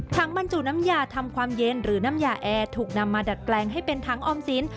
บรรจุน้ำยาทำความเย็นหรือน้ำยาแอร์ถูกนำมาดัดแปลงให้เป็นถังออมสิน